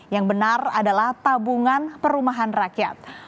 yang benar adalah tabungan perumahan rakyat